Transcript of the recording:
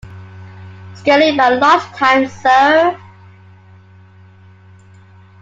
Scarcely by lunchtime, sir.